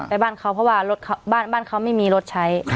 ไปบ้านเขาเพราะว่ารถเขาบ้านเขาไม่มีรถใช้ครับ